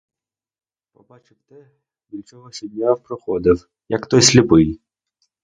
Побачив те, біля чого щодня проходив, як той сліпий.